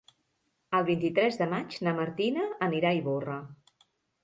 El vint-i-tres de maig na Martina anirà a Ivorra.